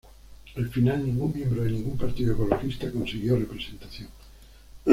Al final, ningún miembro de ningún partido ecologista consiguió representación.